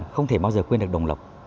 không thể bao giờ quên được đồng lộc